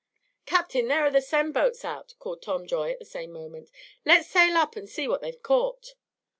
"Captain, there are the seine boats out," called Tom Joy at the same moment. "Let's sail up and see what they've caught."